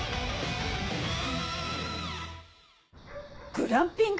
グランピング